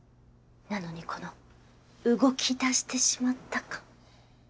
なのにこの動きだしてしまった感。